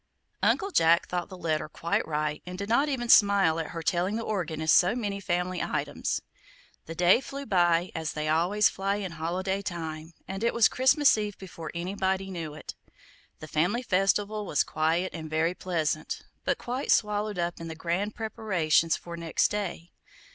Uncle Jack thought the letter quite right, and did not even smile at her telling the organist so many family items. The days flew by, as they always fly in holiday time, and it was Christmas eve before anybody knew it. The family festival was quiet and very pleasant, but quite swallowed up in the grander preparations for next day.